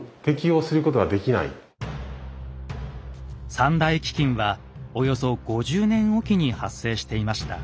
三大飢饉はおよそ５０年おきに発生していました。